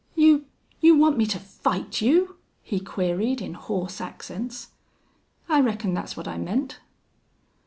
"You you want me to fight you?" he queried, in hoarse accents. "I reckon that's what I meant."